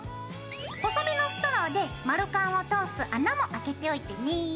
細めのストローで丸カンを通す穴もあけておいてね。